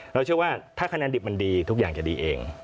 เราเชื่อว่าถ้าคะแนนดิบมันดีทุกอย่างจะดีเอง